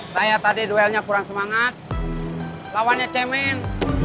saya tadi duelnya kurang semangat lawannya cemen